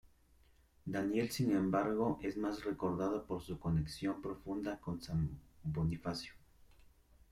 Daniel, sin embargo, es más recordado por su conexión profunda con San Bonifacio.